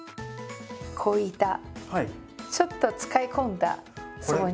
こういったちょっと使い込んだスポンジ。